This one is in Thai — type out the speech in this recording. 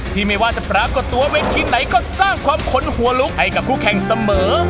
ไม่ว่าจะปรากฏตัวเวทีไหนก็สร้างความขนหัวลุกให้กับคู่แข่งเสมอ